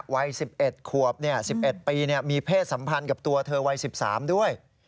วัย๑๑ขวบ๑๑ปีมีเพศสัมพันธ์กับตัวเธอวัย๑๓ด้วย